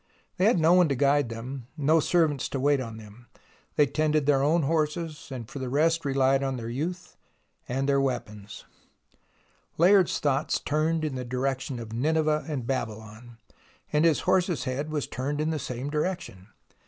They had no one to guide them, no servants to wait on them. They tended their own horses, and for the rest rehed on their youth and their weapons, Layard's thoughts turned in the direction of Nineveh and Babylon, and his horse's head was turned in the same direction.